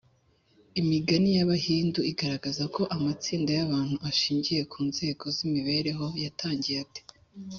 imigani y’abahindu igaragaza ko amatsinda y’abantu ashingiye ku nzego z’imibereho yatangiye ate?